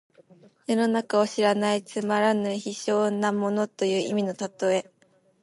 世の中を知らないつまらぬ卑小な者という意味の例え。